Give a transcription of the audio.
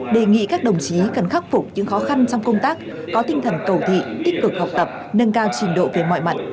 đề nghị các đồng chí cần khắc phục những khó khăn trong công tác có tinh thần cầu thị tích cực học tập nâng cao trình độ về mọi mặt